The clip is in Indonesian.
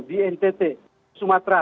di ntt sumatera